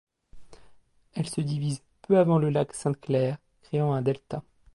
Elle se divise peu avant le lac Sainte-Claire, créant un delta.